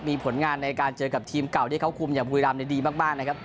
มีผลงานในการเจอกับทีมเก่าที่เขาคุมอย่างบุรีรำดีมากนะครับ